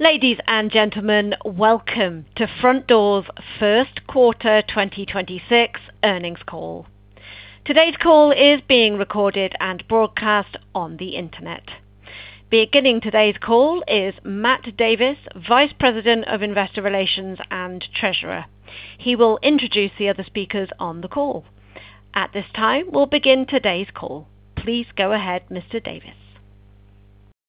Ladies and gentlemen, welcome to Frontdoor's First quarter 2026 Earnings Call. Today's call is being recorded and broadcast on the internet. Beginning today's call is Matt Davis, Vice President of Investor Relations and Treasurer. He will introduce the other speakers on the call. At this time, we'll begin today's call. Please go ahead, Mr. Davis.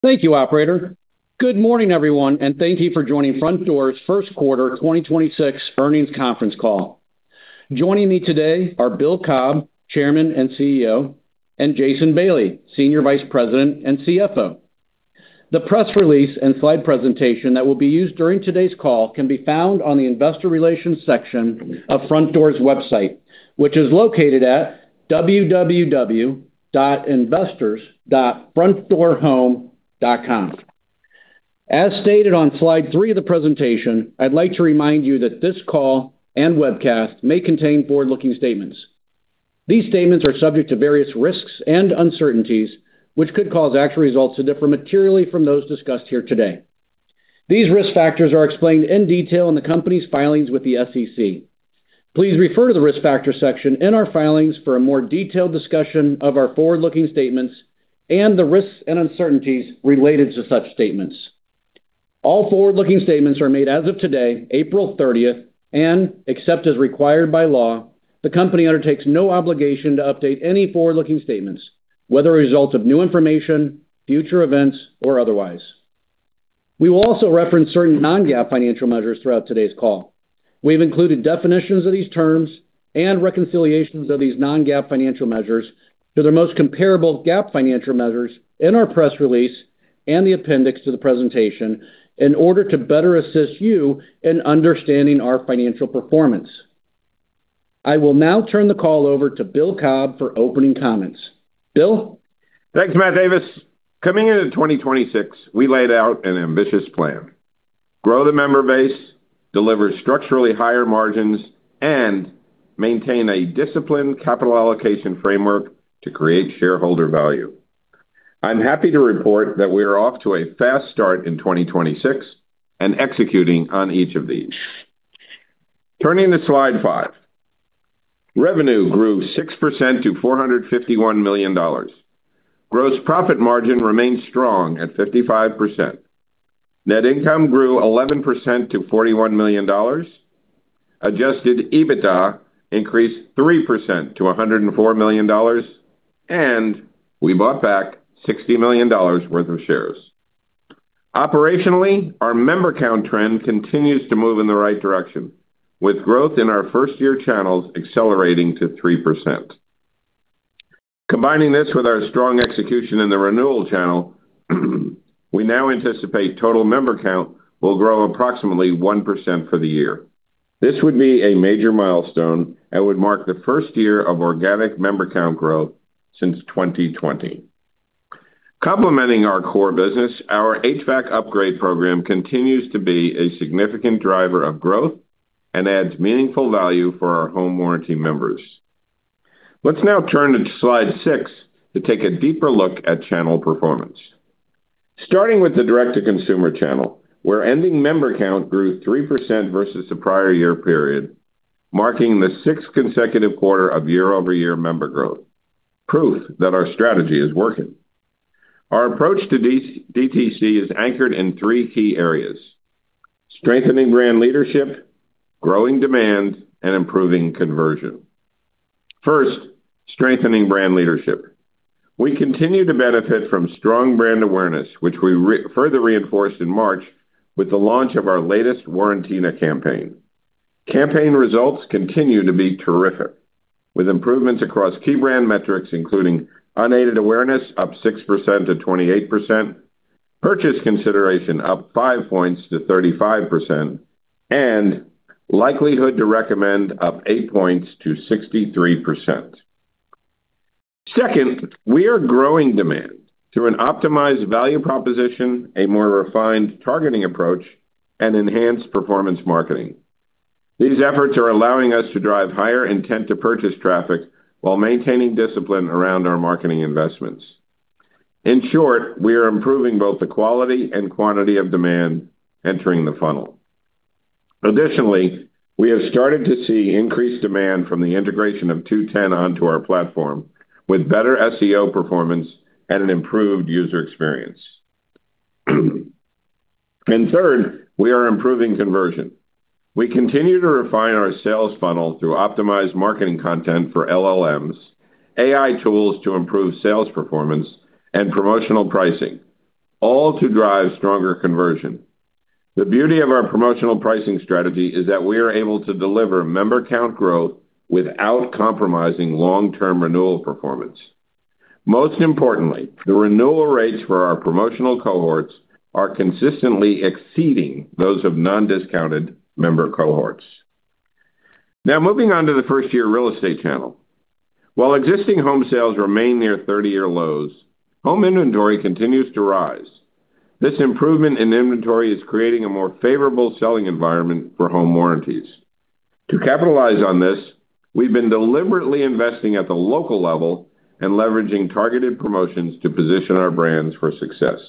Thank you, operator. Good morning, everyone, and thank you for joining Frontdoor's First Quarter 2026 Earnings Conference Call. Joining me today are Bill Cobb, Chairman and CEO, and Jason Bailey, Senior Vice President and CFO. The press release and slide presentation that will be used during today's call can be found on the investor relations section of Frontdoor's website, which is located at www.investors.frontdoorhome.com. As stated on slide three of the presentation, I'd like to remind you that this call and webcast may contain forward-looking statements. These statements are subject to various risks and uncertainties which could cause actual results to differ materially from those discussed here today. These risk factors are explained in detail in the company's filings with the SEC. Please refer to the Risk Factors section in our filings for a more detailed discussion of our forward-looking statements and the risks and uncertainties related to such statements. All forward-looking statements are made as of today, April 30th, and except as required by law, the company undertakes no obligation to update any forward-looking statements, whether a result of new information, future events, or otherwise. We will also reference certain non-GAAP financial measures throughout today's call. We have included definitions of these terms and reconciliations of these non-GAAP financial measures to their most comparable GAAP financial measures in our press release and the appendix to the presentation in order to better assist you in understanding our financial performance. I will now turn the call over to Bill Cobb for opening comments. Bill? Thanks, Matt Davis. Coming into 2026, we laid out an ambitious plan: grow the member base, deliver structurally higher margins, and maintain a disciplined capital allocation framework to create shareholder value. I'm happy to report that we are off to a fast start in 2026 and executing on each of these. Turning to slide five. Revenue grew 6% to $451 million. Gross profit margin remains strong at 55%. Net income grew 11% to $41 million. Adjusted EBITDA increased 3% to $104 million, and we bought back $60 million worth of shares. Operationally, our member count trend continues to move in the right direction, with growth in our first-year channels accelerating to 3%. Combining this with our strong execution in the renewal channel, we now anticipate total member count will grow approximately 1% for the year. This would be a major milestone and would mark the first year of organic member count growth since 2020. Complementing our core business, our HVAC Upgrade Program continues to be a significant driver of growth and adds meaningful value for our home warranty members. Let's now turn to slide six to take a deeper look at channel performance. Starting with the direct-to-consumer channel, where ending member count grew 3% versus the prior year period, marking the 6th consecutive quarter of year-over-year member growth, proof that our strategy is working. Our approach to DTC is anchored in three key areas: strengthening brand leadership, growing demand, and improving conversion. First, strengthening brand leadership. We continue to benefit from strong brand awareness, which we further reinforced in March with the launch of our latest Warrantina campaign. Campaign results continue to be terrific, with improvements across key brand metrics, including unaided awareness up 6% to 28%, purchase consideration up five points to 35%, and likelihood to recommend up eight points to 63%. Second, we are growing demand through an optimized value proposition, a more refined targeting approach, and enhanced performance marketing. These efforts are allowing us to drive higher intent to purchase traffic while maintaining discipline around our marketing investments. In short, we are improving both the quality and quantity of demand entering the funnel. Additionally, we have started to see increased demand from the integration of 2-10 onto our platform with better SEO performance and an improved user experience. Third, we are improving conversion. We continue to refine our sales funnel through optimized marketing content for LLMs, AI tools to improve sales performance, and promotional pricing, all to drive stronger conversion. The beauty of our promotional pricing strategy is that we are able to deliver member count growth without compromising long-term renewal performance. Most importantly, the renewal rates for our promotional cohorts are consistently exceeding those of non-discounted member cohorts. Now moving on to the first-year real estate channel. While existing home sales remain near 30-year lows, home inventory continues to rise. This improvement in inventory is creating a more favorable selling environment for home warranties. To capitalize on this, we've been deliberately investing at the local level and leveraging targeted promotions to position our brands for success.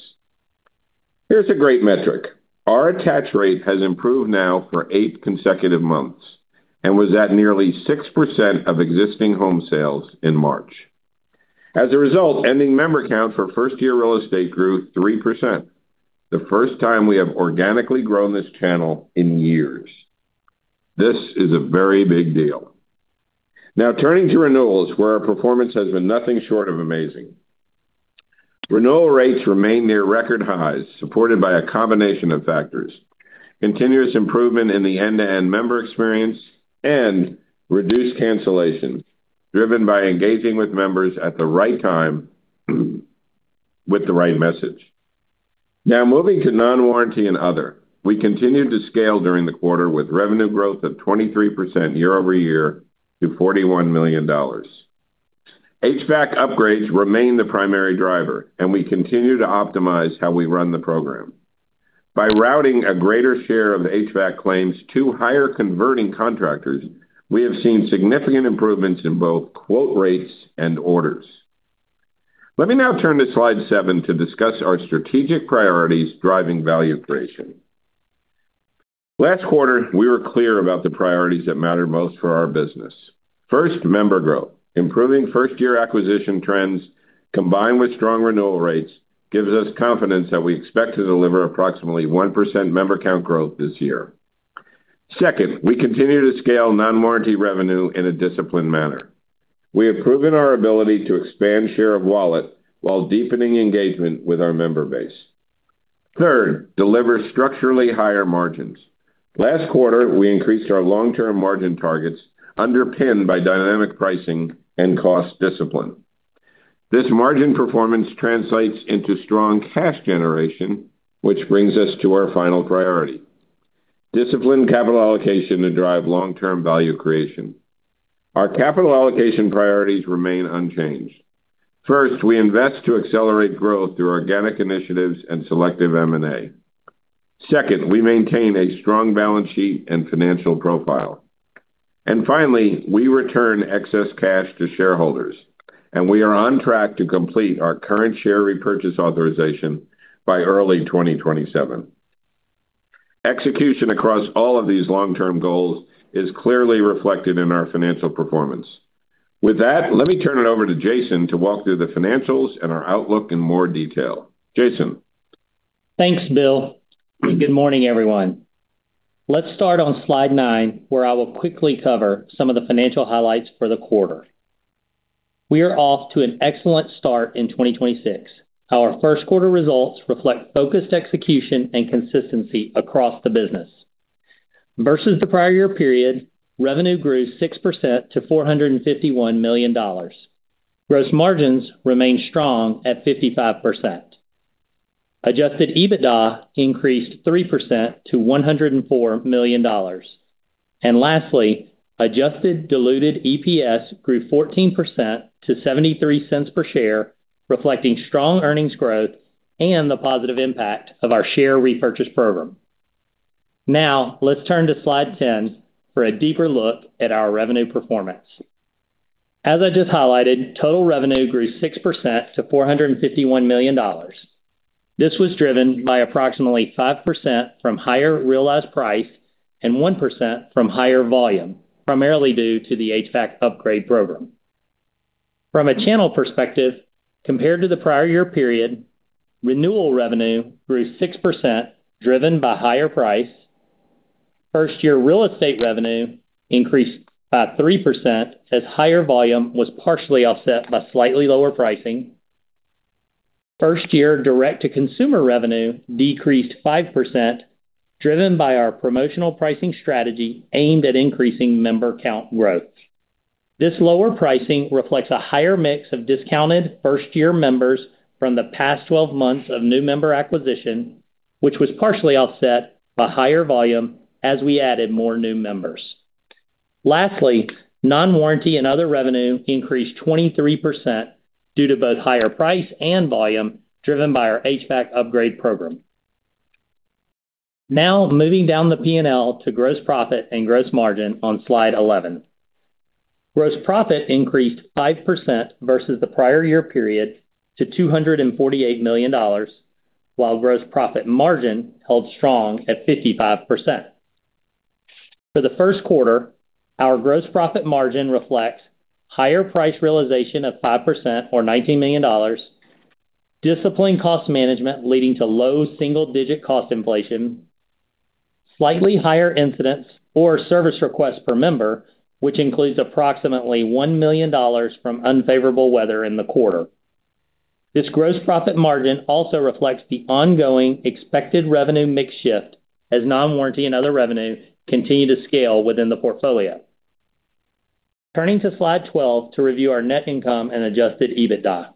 Here's a great metric. Our attach rate has improved now for eight consecutive months and was at nearly 6% of existing home sales in March. As a result, ending member count for first-year real estate grew 3%, the first time we have organically grown this channel in years. This is a very big deal. Turning to renewals, where our performance has been nothing short of amazing. Renewal rates remain near record highs, supported by a combination of factors, continuous improvement in the end-to-end member experience and reduced cancellations, driven by engaging with members at the right time with the right message. Moving to non-warranty and other. We continued to scale during the quarter with revenue growth of 23% year-over-year to $41 million. HVAC Upgrades remain the primary driver, and we continue to optimize how we run the program. By routing a greater share of HVAC claims to higher converting contractors, we have seen significant improvements in both quote rates and orders. Let me now turn to slide seven to discuss our strategic priorities driving value creation. Last quarter, we were clear about the priorities that matter most for our business. First, member growth. Improving first-year acquisition trends combined with strong renewal rates gives us confidence that we expect to deliver approximately 1% member count growth this year. Second, we continue to scale non-warranty revenue in a disciplined manner. We have proven our ability to expand share of wallet while deepening engagement with our member base. Third, deliver structurally higher margins. Last quarter, we increased our long-term margin targets underpinned by dynamic pricing and cost discipline. This margin performance translates into strong cash generation, which brings us to our final priority: disciplined capital allocation to drive long-term value creation. Our capital allocation priorities remain unchanged. First, we invest to accelerate growth through organic initiatives and selective M&A. Second, we maintain a strong balance sheet and financial profile. Finally, we return excess cash to shareholders. We are on track to complete our current share repurchase authorization by early 2027. Execution across all of these long-term goals is clearly reflected in our financial performance. With that, let me turn it over to Jason to walk through the financials and our outlook in more detail. Jason. Thanks, Bill. Good morning, everyone. Let's start on slide nine, where I will quickly cover some of the financial highlights for the quarter. We are off to an excellent start in 2026. Our first quarter results reflect focused execution and consistency across the business. Versus the prior year period, revenue grew 6% to $451 million. Gross margins remain strong at 55%. Adjusted EBITDA increased 3% to $104 million. Lastly, adjusted diluted EPS grew 14% to $0.73 per share, reflecting strong earnings growth and the positive impact of our share repurchase program. Now, let's turn to slide 10 for a deeper look at our revenue performance. As I just highlighted, total revenue grew 6% to $451 million. This was driven by approximately 5% from higher realized price and 1% from higher volume, primarily due to the HVAC Upgrade Program. From a channel perspective, compared to the prior year period, renewal revenue grew 6%, driven by higher price. First year real estate revenue increased by 3% as higher volume was partially offset by slightly lower pricing. First year direct-to-consumer revenue decreased 5%, driven by our promotional pricing strategy aimed at increasing member count growth. This lower pricing reflects a higher mix of discounted first-year members from the past 12 months of new member acquisition, which was partially offset by higher volume as we added more new members. Lastly, non-warranty and other revenue increased 23% due to both higher price and volume, driven by our HVAC Upgrade Program. Now, moving down the P&L to gross profit and gross margin on slide 11. Gross profit increased 5% versus the prior year period to $248 million, while gross profit margin held strong at 55%. For the first quarter, our gross profit margin reflects higher price realization of 5% or $19 million, disciplined cost management leading to low single-digit cost inflation, slightly higher incidents or service requests per member, which includes approximately $1 million from unfavorable weather in the quarter. This gross profit margin also reflects the ongoing expected revenue mix shift as non-warranty and other revenue continue to scale within the portfolio. Turning to slide 12 to review our net income and adjusted EBITDA.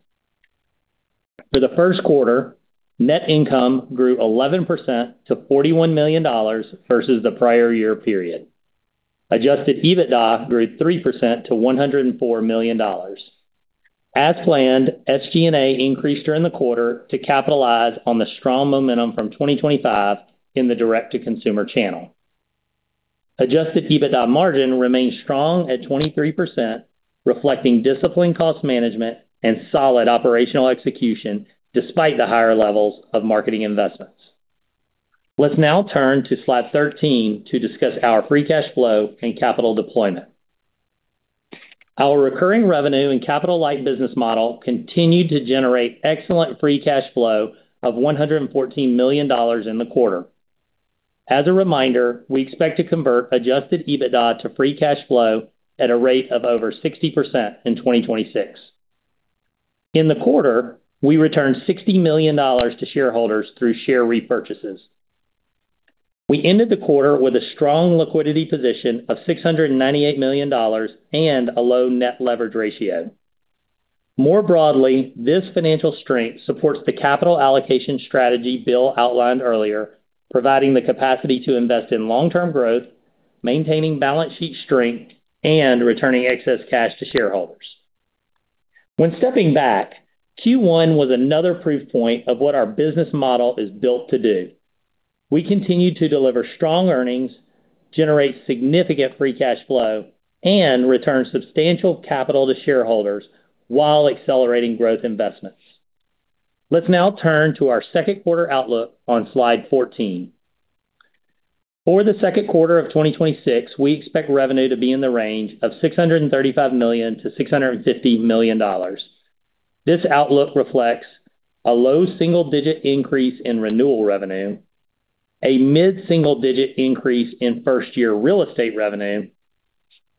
For the first quarter, net income grew 11% to $41 million versus the prior year period. Adjusted EBITDA grew 3% to $104 million. As planned, SG&A increased during the quarter to capitalize on the strong momentum from 2025 in the direct-to-consumer channel. Adjusted EBITDA margin remained strong at 23%, reflecting disciplined cost management and solid operational execution despite the higher levels of marketing investments. Let's now turn to slide 13 to discuss our free cash flow and capital deployment. Our recurring revenue and capital light business model continued to generate excellent free cash flow of $114 million in the quarter. As a reminder, we expect to convert adjusted EBITDA to free cash flow at a rate of over 60% in 2026. In the quarter, we returned $60 million to shareholders through share repurchases. We ended the quarter with a strong liquidity position of $698 million and a low net leverage ratio. More broadly, this financial strength supports the capital allocation strategy Bill outlined earlier, providing the capacity to invest in long-term growth, maintaining balance sheet strength, and returning excess cash to shareholders. When stepping back, Q1 was another proof point of what our business model is built to do. We continued to deliver strong earnings, generate significant free cash flow, and return substantial capital to shareholders while accelerating growth investments. Let's now turn to our second quarter outlook on slide 14. For the second quarter of 2026, we expect revenue to be in the range of $635 million-$650 million. This outlook reflects a low single-digit increase in renewal revenue, a mid-single digit increase in first year real estate revenue,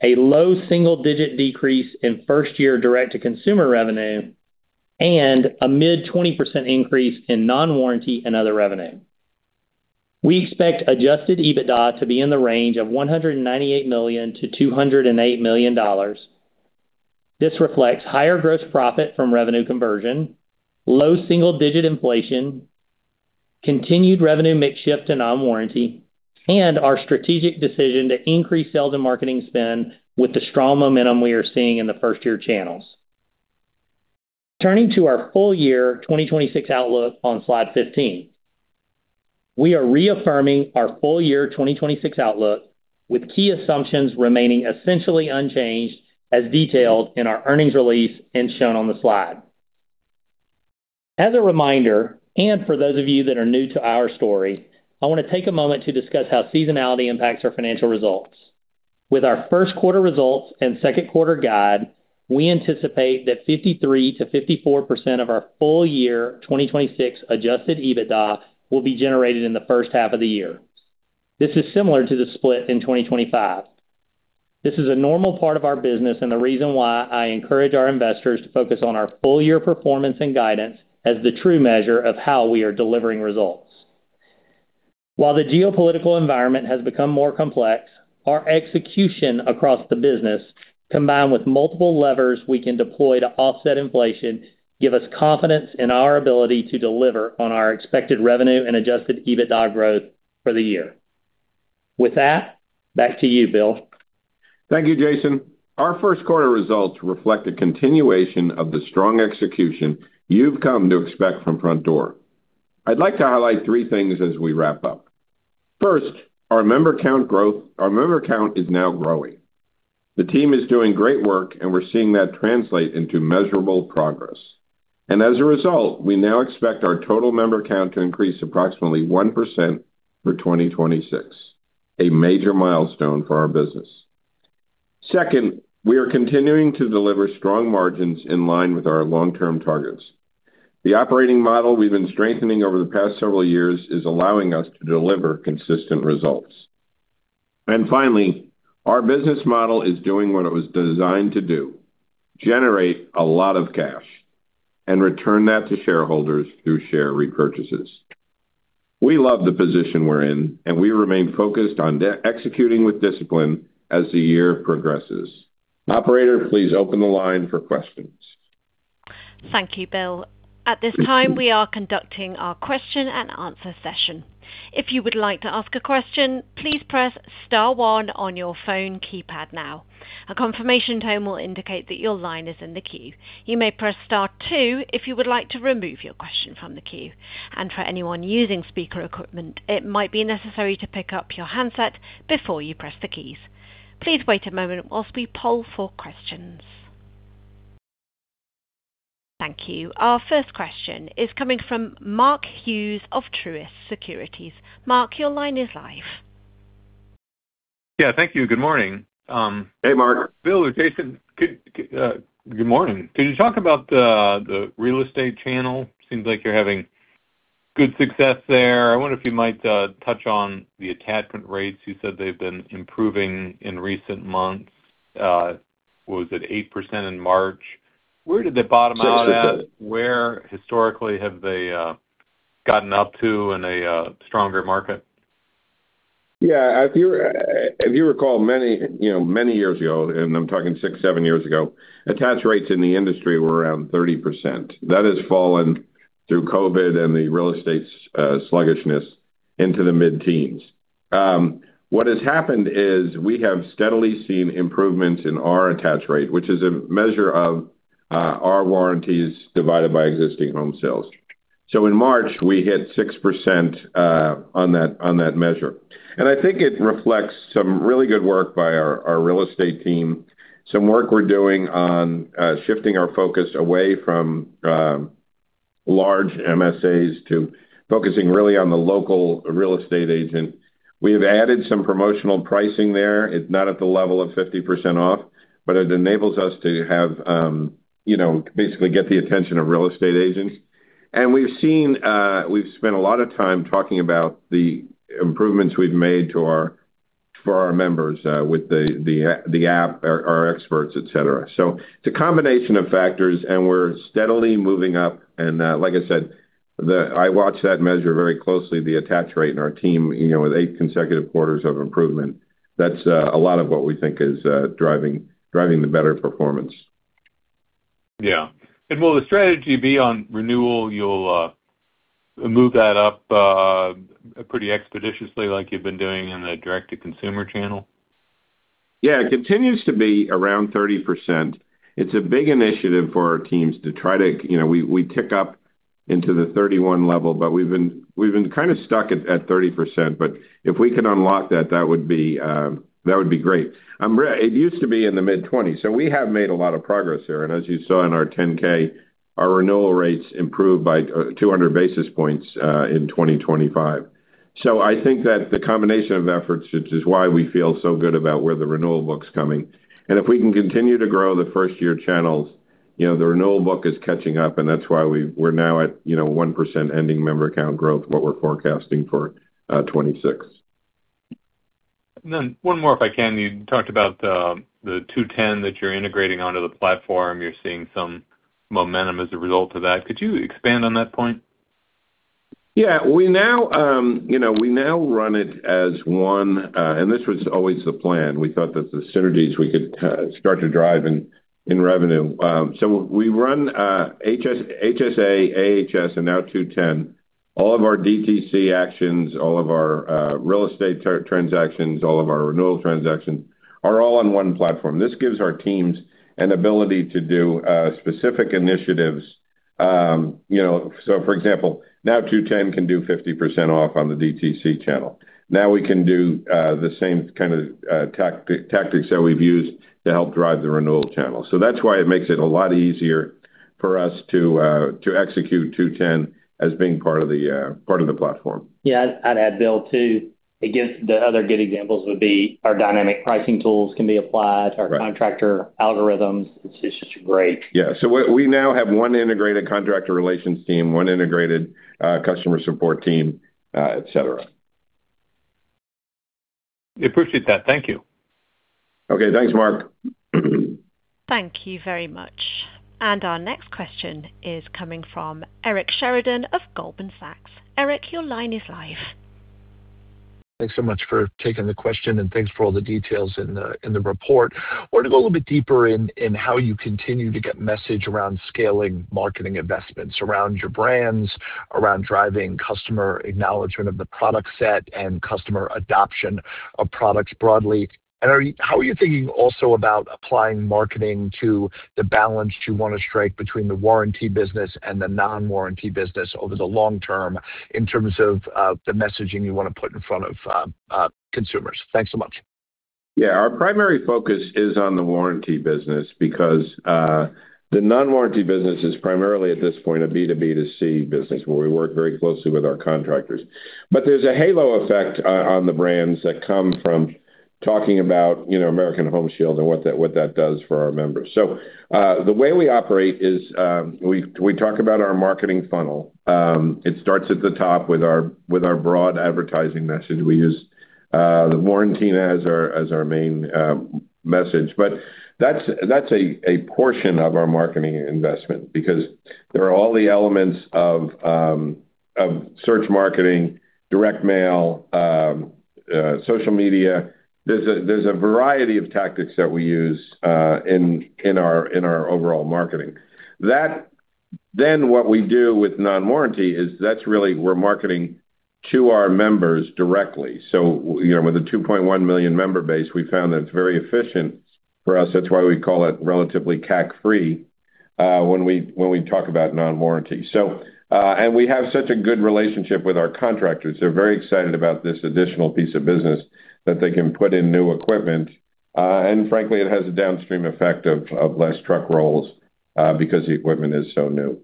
a low single-digit decrease in first year direct-to-consumer revenue, and a mid 20% increase in non-warranty and other revenue. We expect adjusted EBITDA to be in the range of $198 million-$208 million. This reflects higher gross profit from revenue conversion, low single-digit inflation, continued revenue mix shift to non-warranty, and our strategic decision to increase sales and marketing spend with the strong momentum we are seeing in the first year channels. Turning to our full year 2026 outlook on slide 15. We are reaffirming our full year 2026 outlook with key assumptions remaining essentially unchanged as detailed in our earnings release and shown on the slide. As a reminder, and for those of you that are new to our story, I want to take a moment to discuss how seasonality impacts our financial results. With our first quarter results and second quarter guide, we anticipate that 53%-54% of our full year 2026 adjusted EBITDA will be generated in the first half of the year. This is similar to the split in 2025. This is a normal part of our business and the reason why I encourage our investors to focus on our full year performance and guidance as the true measure of how we are delivering results. While the geopolitical environment has become more complex, our execution across the business, combined with multiple levers we can deploy to offset inflation, give us confidence in our ability to deliver on our expected revenue and adjusted EBITDA growth for the year. With that, back to you, Bill. Thank you, Jason. Our first quarter results reflect a continuation of the strong execution you've come to expect from Frontdoor. I'd like to highlight three things as we wrap up. First, our member count is now growing. The team is doing great work, we're seeing that translate into measurable progress. As a result, we now expect our total member count to increase approximately 1% for 2026, a major milestone for our business. Second, we are continuing to deliver strong margins in line with our long-term targets. The operating model we've been strengthening over the past several years is allowing us to deliver consistent results. Finally, our business model is doing what it was designed to do, generate a lot of cash and return that to shareholders through share repurchases. We love the position we're in, and we remain focused on executing with discipline as the year progresses. Operator, please open the line for questions. Thank you, Bill. At this time, we are conducting our question and answer session. Our first question is coming from Mark Hughes of Truist Securities. Mark, your line is live. Yeah, thank you. Good morning. Hey, Mark. Bill or Jason, good morning. Can you talk about the real estate channel? Seems like you're having good success there. I wonder if you might touch on the attachment rates. You said they've been improving in recent months. Was it 8% in March? Where did they bottom out at? Where historically have they gotten up to in a stronger market? Yeah, if you recall many, you know, many years ago, I'm talking six, seven years ago, attach rates in the industry were around 30%. That has fallen through COVID and the real estate sluggishness into the mid-teens. What has happened is we have steadily seen improvements in our attach rate, which is a measure of our warranties divided by existing home sales. In March, we hit 6% on that measure. I think it reflects some really good work by our real estate team, some work we're doing on shifting our focus away from large MSAs to focusing really on the local real estate agent. We have added some promotional pricing there. It's not at the level of 50% off. It enables us to have, you know, basically get the attention of real estate agents. We've seen, we've spent a lot of time talking about the improvements we've made for our members, with the app, our experts, et cetera. It's a combination of factors, and we're steadily moving up. Like I said, I watch that measure very closely, the attach rate in our team, you know, with eight consecutive quarters of improvement. That's a lot of what we think is driving the better performance. Yeah. Will the strategy be on renewal? You'll move that up pretty expeditiously like you've been doing in the direct-to-consumer channel? Yeah. It continues to be around 30%. It's a big initiative for our teams to try to... You know, we tick up into the 31% level, but we've been kind of stuck at 30%. If we can unlock that would be great. It used to be in the mid-20s, we have made a lot of progress there. As you saw in our 10-K, our renewal rates improved by 200 basis points in 2025. I think that the combination of efforts, which is why we feel so good about where the renewal book's coming. If we can continue to grow the first-year channels, you know, the renewal book is catching up, and that's why we're now at, you know, 1% ending member account growth, what we're forecasting for 2026. One more, if I can. You talked about the 2-10 that you're integrating onto the platform. You're seeing some momentum as a result of that. Could you expand on that point? Yeah. We now, you know, we now run it as one, and this was always the plan. We thought that the synergies we could start to drive in revenue. We run HSA, AHS, and now 2-10. All of our DTC actions, all of our real estate transactions, all of our renewal transactions are all on one platform. This gives our teams an ability to do specific initiatives, you know. For example, now 2-10 can do 50% off on the DTC channel. Now we can do the same kind of tactics that we've used to help drive the renewal channel. That's why it makes it a lot easier for us to execute 2-10 as being part of the platform. Yeah. I'd add, Bill, too. Again, the other good examples would be our dynamic pricing tools can be applied our contractor algorithms, it's just great. Yeah. We now have one integrated contractor relations team, one integrated customer support team, et cetera. Appreciate that. Thank you. Okay. Thanks, Mark. Thank you very much. Our next question is coming from Eric Sheridan of Goldman Sachs. Eric, your line is live. Thanks so much for taking the question, and thanks for all the details in the report. Wanted to go a little bit deeper in how you continue to get message around scaling marketing investments around your brands, around driving customer acknowledgement of the product set and customer adoption of products broadly. How are you thinking also about applying marketing to the balance you want to strike between the warranty business and the non-warranty business over the long term in terms of the messaging you want to put in front of consumers? Thanks so much. Yeah. Our primary focus is on the warranty business because the non-warranty business is primarily at this point, a B2B2C business where we work very closely with our contractors. There's a halo effect on the brands that come from talking about, you know, American Home Shield and what that does for our members. The way we operate is we talk about our marketing funnel. It starts at the top with our broad advertising message. We use the Warrantina as our main message. That's a portion of our marketing investment because there are all the elements of search marketing, direct mail, social media. There's a variety of tactics that we use in our overall marketing. What we do with non-warranty is that's really we're marketing to our members directly. You know, with a 2.1 million member base, we found that it's very efficient for us. That's why we call it relatively CAC free when we talk about non-warranty. We have such a good relationship with our contractors. They're very excited about this additional piece of business that they can put in new equipment. Frankly, it has a downstream effect of less truck rolls because the equipment is so new.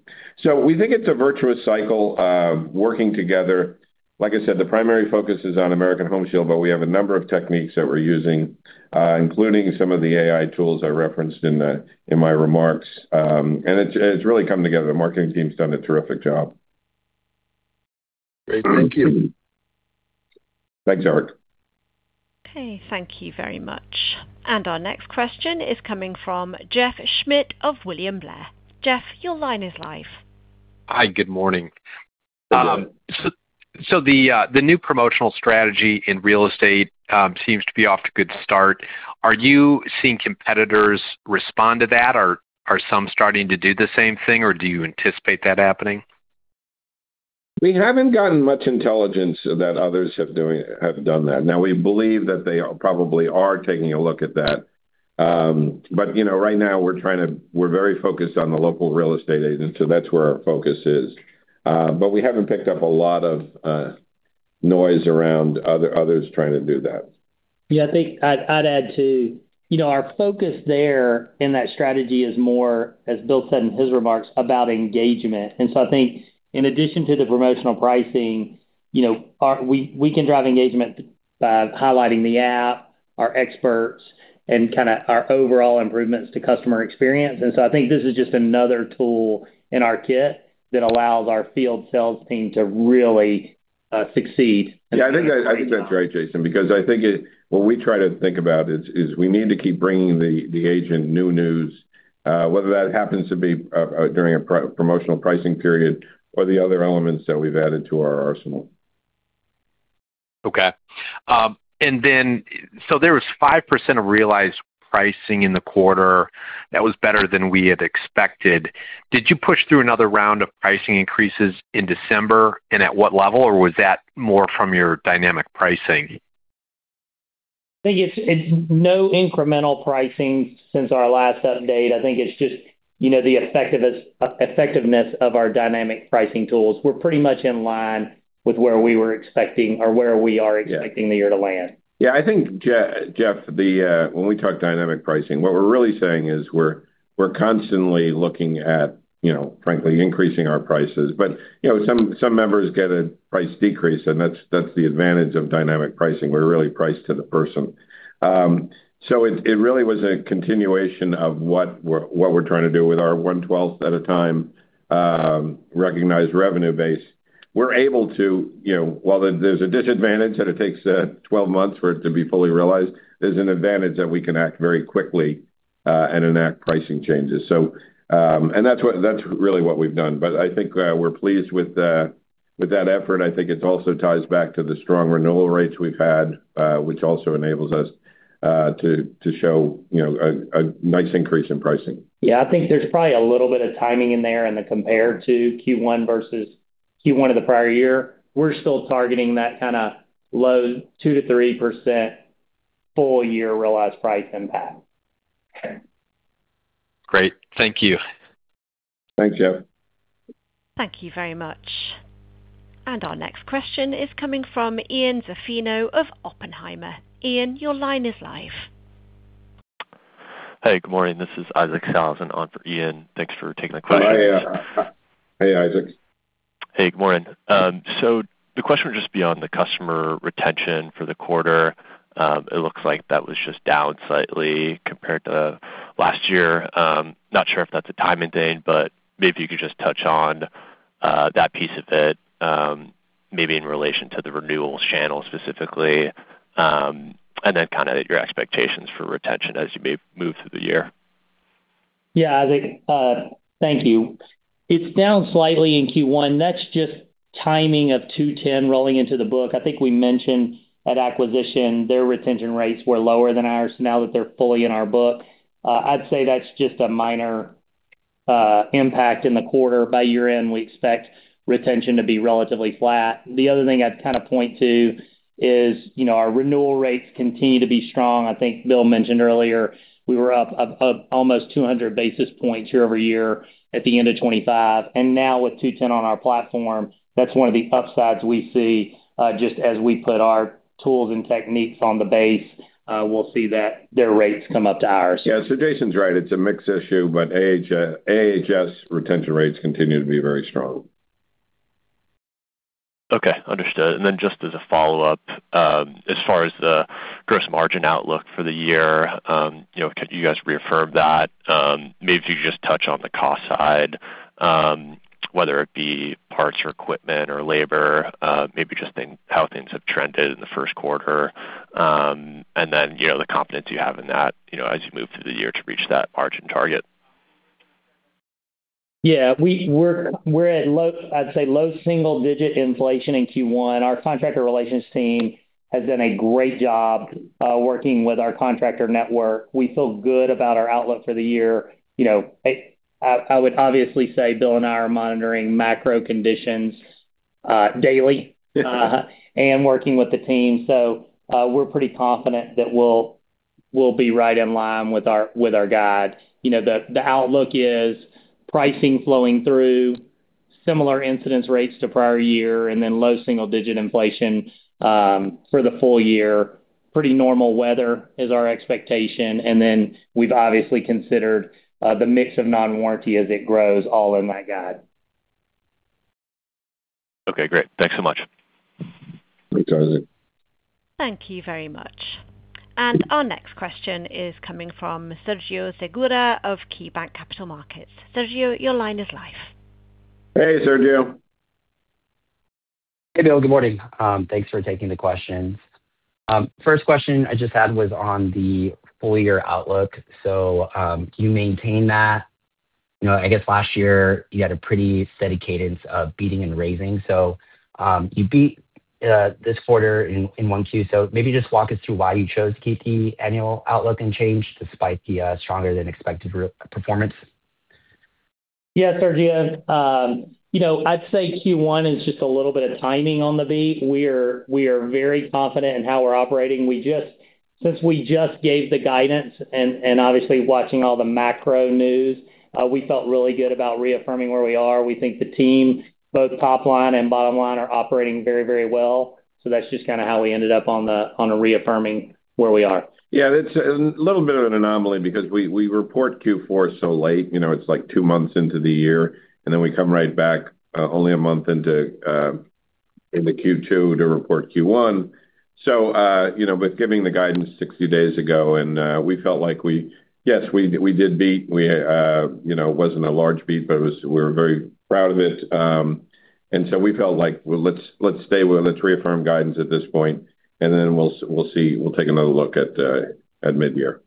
We think it's a virtuous cycle of working together. Like I said, the primary focus is on American Home Shield, we have a number of techniques that we're using, including some of the AI tools I referenced in my remarks. It's really coming together. The marketing team's done a terrific job. Great. Thank you. Thanks, Eric. Okay. Thank you very much. Our next question is coming from Jeff Schmitt of William Blair. Jeff, your line is live. Hi, good morning. Good morning. The new promotional strategy in real estate, seems to be off to a good start. Are you seeing competitors respond to that, or are some starting to do the same thing, or do you anticipate that happening? We haven't gotten much intelligence that others have done that. We believe that they probably are taking a look at that. You know, right now we're very focused on the local real estate agent, that's where our focus is. We haven't picked up a lot of noise around others trying to do that. I think I'd add too. You know, our focus there in that strategy is more, as Bill said in his remarks, about engagement. I think in addition to the promotional pricing, you know, we can drive engagement by highlighting the app, our experts, and kind of our overall improvements to customer experience. I think this is just another tool in our kit that allows our field sales team to really succeed. Yeah, I think that, I think that's right, Jason, because I think what we try to think about is we need to keep bringing the agent new news, whether that happens to be during a promotional pricing period or the other elements that we've added to our arsenal. Okay. There was 5% of realized pricing in the quarter that was better than we had expected. Did you push through another round of pricing increases in December, and at what level? Or was that more from your dynamic pricing? I think it's no incremental pricing since our last update. I think it's just, you know, the effectiveness of our dynamic pricing tools. We're pretty much in line with where we were expecting or where we are expecting the year to land. Yeah, I think, Jeff, when we talk dynamic pricing, what we're really saying is we're constantly looking at, you know, frankly, increasing our prices. You know, some members get a price decrease, and that's the advantage of dynamic pricing. We're really priced to the person. It really was a continuation of what we're trying to do with our one-twelfth at a time recognized revenue base. You know, while there's a disadvantage that it takes 12 months for it to be fully realized, there's an advantage that we can act very quickly and enact pricing changes. That's really what we've done. I think we're pleased with that effort. I think it also ties back to the strong renewal rates we've had, which also enables us to show, you know, a nice increase in pricing. Yeah. I think there's probably a little bit of timing in there in the compared to Q1 versus Q1 of the prior year. We're still targeting that kinda low 2%-3% full year realized price impact. Okay. Great. Thank you. Thanks, Jeff. Thank you very much. Our next question is coming from Ian Zaffino of Oppenheimer. Ian, your line is live. Hey, good morning. This is Isaac Sellhausen on for Ian. Thanks for taking the question. Hi. Hey, Isaac. Hey, good morning. The question would just be on the customer retention for the quarter. It looks like that was just down slightly compared to last year. Not sure if that's a timing thing, maybe you could just touch on that piece of it, maybe in relation to the renewals channel specifically, kind of your expectations for retention as you may move through the year? Isaac, thank you. It's down slightly in Q1. That's just timing of 2-10 rolling into the book. I think we mentioned at acquisition, their retention rates were lower than ours. Now that they're fully in our book, I'd say that's just a minor impact in the quarter. By year-end, we expect retention to be relatively flat. The other thing I'd kinda point to is, you know, our renewal rates continue to be strong. I think Bill mentioned earlier we were up almost 200 basis points year-over-year at the end of 2025. Now with 2-10 on our platform, that's one of the upsides we see, just as we put our tools and techniques on the base, we'll see that their rates come up to ours. Yeah. Jason's right, it's a mixed issue, but AHS retention rates continue to be very strong. Okay, understood. Just as a follow-up, as far as the gross margin outlook for the year, you know, can you guys reaffirm that? Maybe if you could just touch on the cost side, whether it be parts or equipment or labor, maybe just how things have trended in the first quarter, you know, the confidence you have in that, you know, as you move through the year to reach that margin target. Yeah, we're at low, I'd say low single-digit inflation in Q1. Our contractor relations team has done a great job working with our contractor network. We feel good about our outlook for the year. You know, I would obviously say Bill and I are monitoring macro conditions daily and working with the team. We're pretty confident that we'll be right in line with our guide. You know, the outlook is pricing flowing through similar incidence rates to prior year and then low single-digit inflation for the full year. Pretty normal weather is our expectation. We've obviously considered the mix of non-warranty as it grows all in that guide. Okay, great. Thanks so much. Thanks, Isaac. Thank you very much. Our next question is coming from Sergio Segura of KeyBanc Capital Markets. Sergio, your line is live. Hey, Sergio. Hey, Bill. Good morning. Thanks for taking the questions. First question I just had was on the full year outlook. Do you maintain that? You know, I guess last year you had a pretty steady cadence of beating and raising. You beat this quarter in 1Q. Maybe just walk us through why you chose to keep the annual outlook unchanged despite the stronger than expected performance. Sergio. you know, I'd say Q1 is just a little bit of timing on the beat. We are very confident in how we're operating. Since we just gave the guidance and obviously watching all the macro news, we felt really good about reaffirming where we are. We think the team, both top line and bottom line, are operating very, very well. That's just kind of how we ended up on a reaffirming where we are. Yeah. It's a little bit of an anomaly because we report Q4 so late, you know, it's like two months into the year, and then we come right back, only a month into Q2 to report Q1. You know, with giving the guidance 60 days ago, Yes, we did beat. We, you know, it wasn't a large beat, but we were very proud of it. We felt like, well, let's stay. We're gonna reaffirm guidance at this point, we'll see. We'll take another look at mid-year.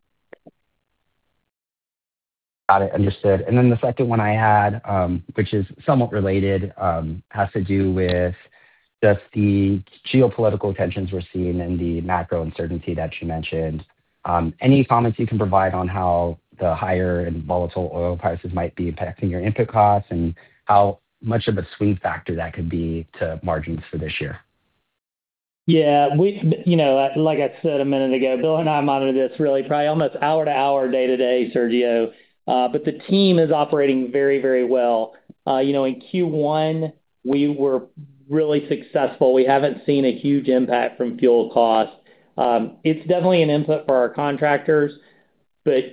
Got it. Understood. The second one I had, which is somewhat related, has to do with just the geopolitical tensions we're seeing and the macro uncertainty that you mentioned. Any comments you can provide on how the higher and volatile oil prices might be impacting your input costs and how much of a swing factor that could be to margins for this year? Yeah. We, you know, like I said a minute ago, Bill and I monitor this really probably almost hour to hour, day to day, Sergio. The team is operating very, very well. you know, in Q1 we were really successful. We haven't seen a huge impact from fuel costs. It's definitely an input for our contractors,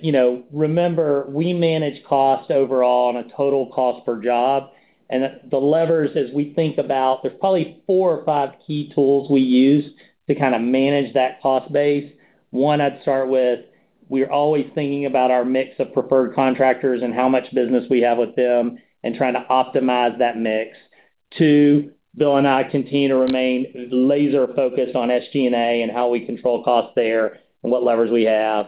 you know, remember, we manage costs overall on a total cost per job. The levers as we think about, there's probably four or five key tools we use to kinda manage that cost base. One, I'd start with, we're always thinking about our mix of preferred contractors and how much business we have with them and trying to optimize that mix. Two, Bill and I continue to remain laser focused on SG&A and how we control costs there and what levers we have.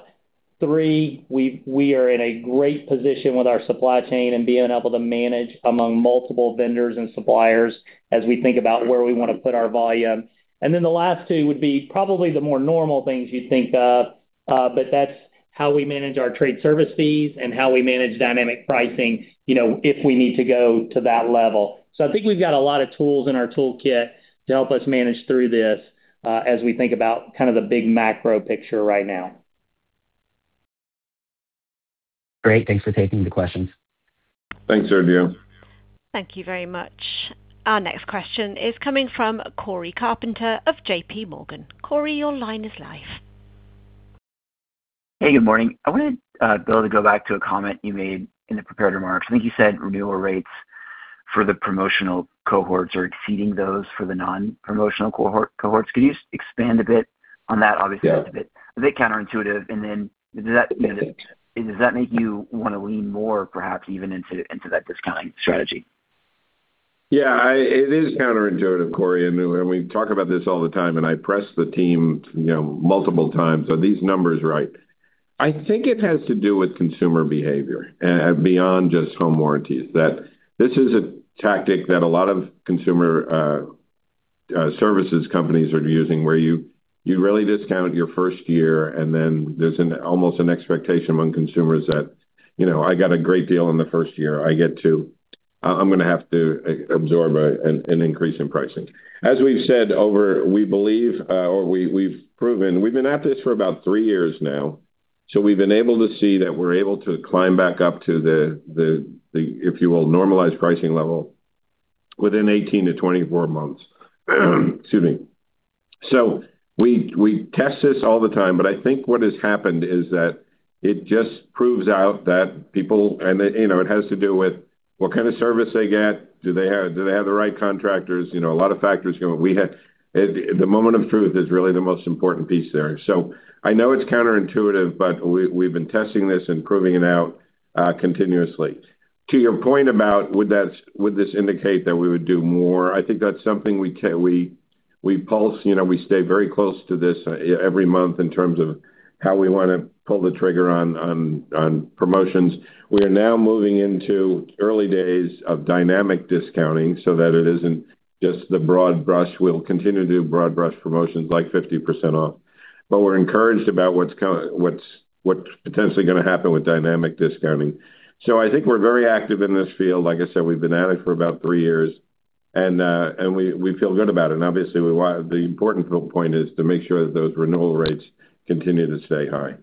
Three, we are in a great position with our supply chain and being able to manage among multiple vendors and suppliers as we think about where we wanna put our volume. The last two would be probably the more normal things you'd think of, but that's how we manage our trade service fees and how we manage dynamic pricing, you know, if we need to go to that level. I think we've got a lot of tools in our toolkit to help us manage through this, as we think about kind of the big macro picture right now. Great. Thanks for taking the questions. Thanks, Sergio. Thank you very much. Our next question is coming from Cory Carpenter of JPMorgan. Cory, your line is live. Hey, good morning. I wanted, Bill, to go back to a comment you made in the prepared remarks. I think you said renewal rates for the promotional cohorts are exceeding those for the non-promotional cohorts. Could you just expand a bit on that? Yeah. Obviously, it's a bit counterintuitive. Does that... Does that make you wanna lean more perhaps even into that discounting strategy? Yeah. It is counterintuitive, Cory. We talk about this all the time, and I press the team, you know, multiple times, are these numbers right? I think it has to do with consumer behavior beyond just home warranties. This is a tactic that a lot of consumer services companies are using where you really discount your first year, and then there's an almost an expectation among consumers that, you know, I got a great deal on the first year. I'm gonna have to absorb an increase in pricing. We've said over, we believe, or we've proven, we've been at this for about three years now, so we've been able to see that we're able to climb back up to the, if you will, normalized pricing level within 18 to 24 months. Excuse me. We test this all the time, but I think what has happened is that it just proves out that people, and you know, it has to do with what kind of service they get. Do they have the right contractors? You know, a lot of factors come up. We have. The moment of truth is really the most important piece there. I know it's counterintuitive, but we've been testing this and proving it out continuously. To your point about would this indicate that we would do more, I think that's something we pulse. You know, we stay very close to this every month in terms of how we wanna pull the trigger on promotions. We are now moving into early days of dynamic discounting so that it isn't just the broad brush. We'll continue to do broad brush promotions like 50% off. We're encouraged about what's potentially going to happen with dynamic discounting. I think we're very active in this field. Like I said, we've been at it for about three years, and we feel good about it. Obviously the important point is to make sure that those renewal rates continue to stay high.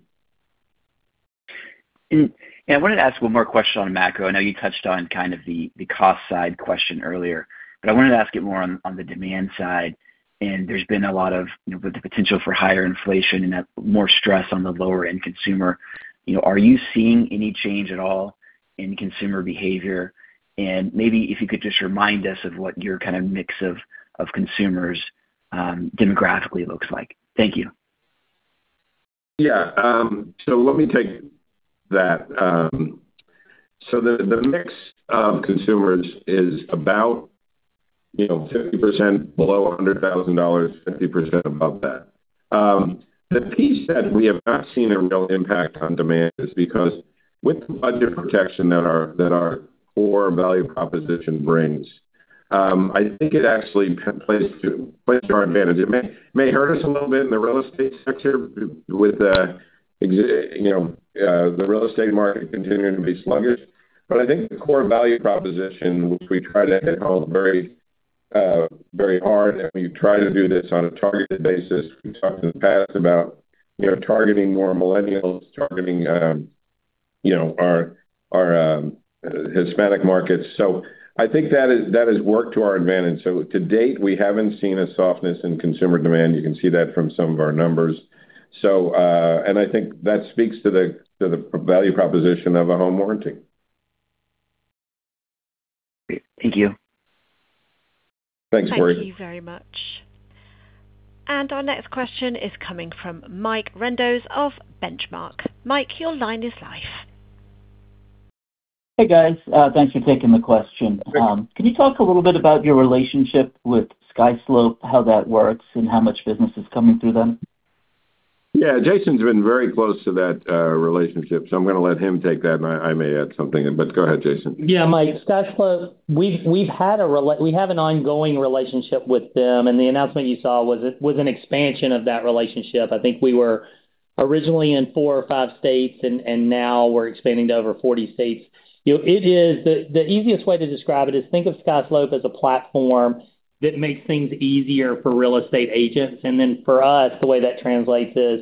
I wanted to ask one more question on macro. I know you touched on kind of the cost side question earlier, but I wanted to ask it more on the demand side. There's been a lot of, you know, the potential for higher inflation and more stress on the lower-end consumer. You know, are you seeing any change at all in consumer behavior? Maybe if you could just remind us of what your kind of mix of consumers demographically looks like. Thank you. Yeah. Let me take that. The mix of consumers is about, you know, 50% below $100,000, 50% above that. The piece that we have not seen a real impact on demand is because with the budget protection that our, that our core value proposition brings, I think it actually plays to our advantage. It may hurt us a little bit in the real estate sector with, you know, the real estate market continuing to be sluggish. I think the core value proposition, which we try to hit home very, very hard, and we try to do this on a targeted basis. We've talked in the past about, you know, targeting more millennials, targeting, you know, our Hispanic markets. I think that is, that has worked to our advantage. To date, we haven't seen a softness in consumer demand. You can see that from some of our numbers. I think that speaks to the value proposition of a home warranty. Great. Thank you. Thanks, Cory. Thank you very much. Our next question is coming from Mike Rindos of Benchmark. Mike, your line is live. Hey, guys. Thanks for taking the question. Sure. Can you talk a little bit about your relationship with SkySlope, how that works and how much business is coming through them? Yeah. Jason's been very close to that relationship. I'm gonna let him take that. I may add something in, but go ahead, Jason. Yeah. Mike, SkySlope, we've had an ongoing relationship with them, the announcement you saw was an expansion of that relationship. I think we were originally in four or five states and now we're expanding to over 40 states. You know, it is the easiest way to describe it is think of SkySlope as a platform that makes things easier for real estate agents. For us, the way that translates is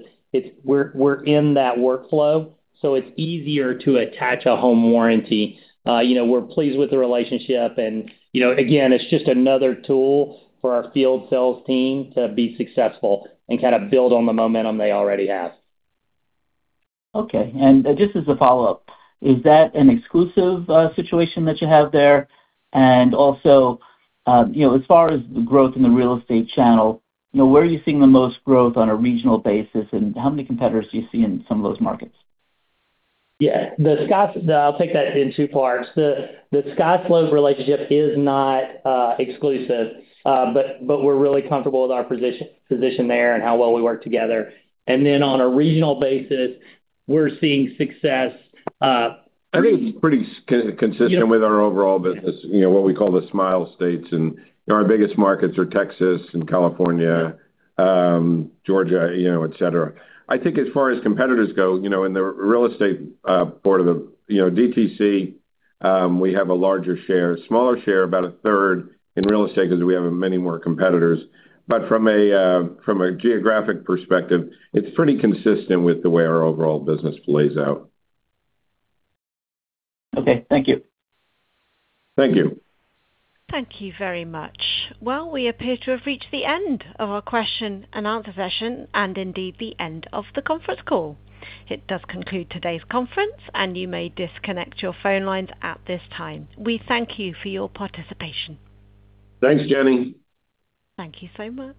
we're in that workflow, it's easier to attach a home warranty. You know, we're pleased with the relationship and, you know, again, it's just another tool for our field sales team to be successful and kinda build on the momentum they already have. Okay. Just as a follow-up, is that an exclusive situation that you have there? Also, you know, as far as the growth in the real estate channel, you know, where are you seeing the most growth on a regional basis, and how many competitors do you see in some of those markets? Yeah. I'll take that in two parts. The SkySlope relationship is not exclusive. but we're really comfortable with our position there and how well we work together. On a regional basis, we're seeing success. I think it's pretty consistent with our overall business. Yeah. You know, what we call the smile states. You know, our biggest markets are Texas and California, Georgia, you know, et cetera. I think as far as competitors go, you know, in the real estate, part of the, you know, DTC, we have a larger share. Smaller share, about 1/3 in real estate because we have many more competitors. From a geographic perspective, it's pretty consistent with the way our overall business plays out. Okay. Thank you. Thank you. Thank you very much. Well, we appear to have reached the end of our question and answer session and indeed the end of the conference call. It does conclude today's conference, and you may disconnect your phone lines at this time. We thank you for your participation. Thanks, Jenny. Thank you so much.